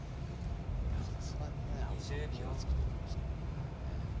さすがにね羽生さんも気が付くと思いますけどね。